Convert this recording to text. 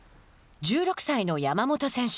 １６歳の山本選手。